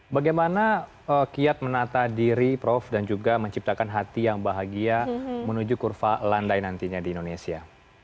bagaimana kiat menata diri prof dan juga menciptakan hati yang bahagia menuju kurva landai nantinya di indonesia